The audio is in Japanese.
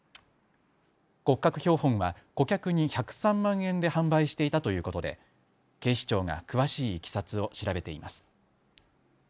骨格標本は顧客に１０３万円で販売していたということで警視庁が詳しいいきさつを調べています。